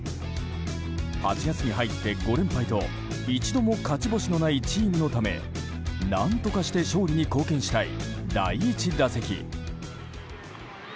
８月に入って５連敗と一度も勝ち星のないチームのため何とかして勝利に貢献したい第１打席。